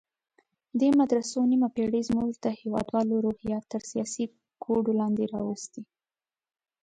دې مدرسو نیمه پېړۍ زموږ د هېوادوالو روحیات تر سیاسي کوډو لاندې راوستي.